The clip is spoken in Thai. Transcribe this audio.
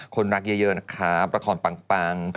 คนรักเยอะนะคะละครปัง